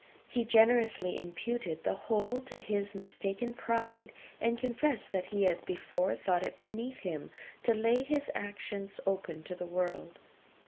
He generously imputed the whole to his mistaken pride, and confessed that he had before thought it beneath him to lay his private actions open to the world.